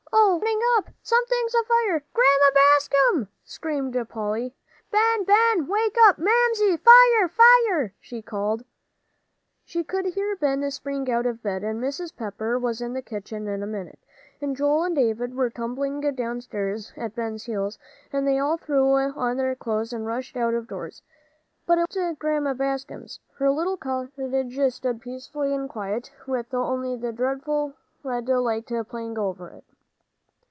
"Oh, we're burning up! Something's afire! Grandma Bascom!" screamed Polly. "Ben Ben wake up! Mamsie! Fire fire!" she called. She could hear Ben spring out of bed, and Mrs. Pepper was in the kitchen in a minute, and Joel and David were tumbling downstairs at Ben's heels, and they all threw on their clothes and rushed out of doors. But it wasn't Grandma Bascom's. Her little cottage stood peaceful and quiet, with only the dreadful red light playing over it.